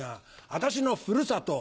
私のふるさと。